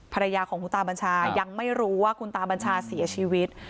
ภรรยาของคุณตาบัญชายังไม่รู้ว่าคุณตาบัญชาเสียชีวิต